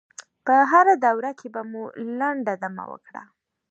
په هره دوره کې به مو لنډه دمه وکړه.